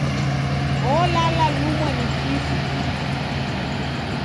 Olala lumwa ni kifu.